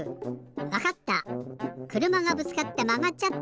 わかった！